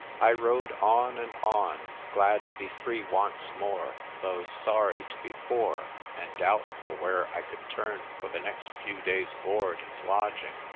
I rode on and on, glad to be free once more, though sorry to be poor, and doubtful where I could turn for the next few days' board and lodging.